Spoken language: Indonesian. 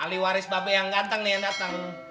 ali waris babi yang ganteng nih yang datang